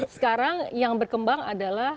sekarang yang berkembang adalah